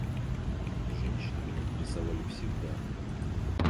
Женщины меня интересовали всегда.